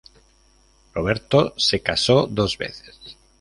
Roberto se casó dos veces.